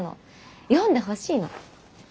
読んでほしいの。